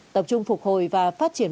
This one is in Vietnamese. tập trung phục hồi và phát triển